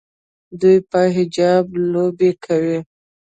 دوی په حجاب کې لوبې کوي.